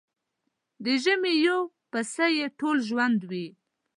د ژمي يو پسه يې ټول ژوند وي.